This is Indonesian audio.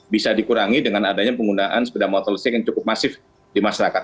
bisa dikurangi dengan adanya penggunaan sepeda motor listrik yang cukup masif di masyarakat